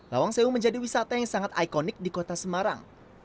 lawang sewu menjadi wisata yang sangat ikonik di kota semarang